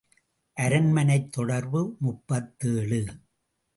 அரண்மனைத் தொடர்பு முப்பத்தேழு.